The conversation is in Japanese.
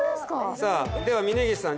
さあでは峯岸さん。